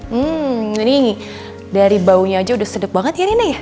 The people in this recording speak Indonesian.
hmm ini dari baunya aja udah sedep banget ya rina ya